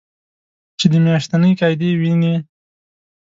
چې د میاشتنۍ قاعدې وینې